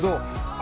あ